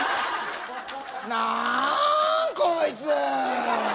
なぁーん、こいつ。